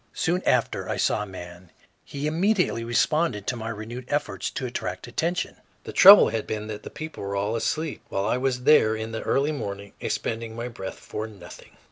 Soon after I saw a man; he immediately responded to my renewed efforts to attract attention. The trouble had been that the people were all asleep, while I was there in the early morning expending my breath for nothing.